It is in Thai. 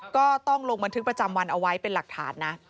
ก็ต้องลงบันทึกประจำวันเอาไว้เป็นหลักฐานนะ